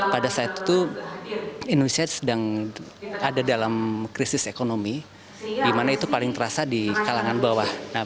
pada saat itu indonesia sedang ada dalam krisis ekonomi di mana itu paling terasa di kalangan bawah